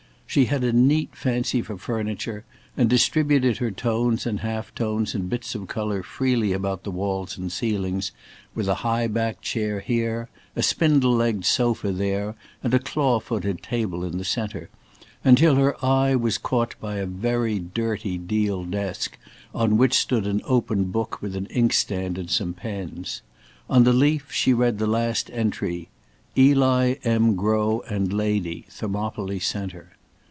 She had a neat fancy for furniture, and distributed her tones and half tones and bits of colour freely about the walls and ceilings, with a high backed chair here, a spindle legged sofa there, and a claw footed table in the centre, until her eye was caught by a very dirty deal desk, on which stood an open book, with an inkstand and some pens. On the leaf she read the last entry: "Eli M. Grow and lady, Thermopyle Centre."